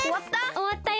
おわったよ。